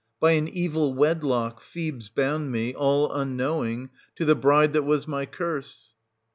By an evil wedlock, Thebes bound me, all unknowing, to the bride that was my curse Ch.